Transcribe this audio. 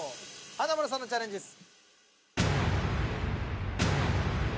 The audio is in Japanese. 華丸さんのチャレンジです。